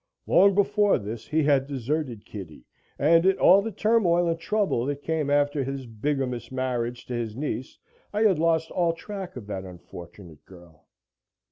Long before this he had deserted Kitty, and in all the turmoil and trouble that came after his bigamous marriage to his niece I had lost all track of that unfortunate girl.